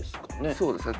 そうですね。